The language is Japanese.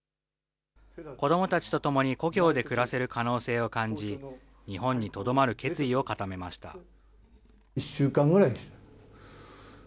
子どもたちと共に、故郷で暮らせる可能性を感じ、日本にとどまる決意を固めました。